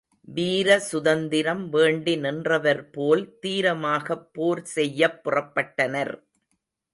வீரசுதந்திரம் வேண்டி நின்றவர் போல் தீரமாகப் போர் செய்யப் புறப்பட்டனர்.